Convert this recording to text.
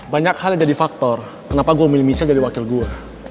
banyak hal yang jadi faktor kenapa gue memilih misa jadi wakil gue